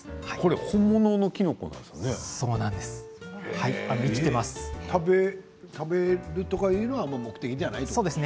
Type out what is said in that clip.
本物のきのこなんですかね。